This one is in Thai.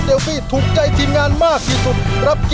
รีบหน่อยนะครับ